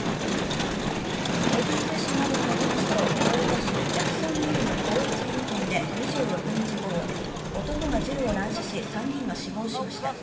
ＡＰ通信などによりますとフロリダ州ジャクソンビルの小売りチェーン店で２６日午後、男が銃を乱射し、３人が死亡しました。